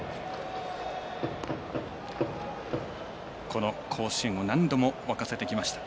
この甲子園を何度も沸かせてきました。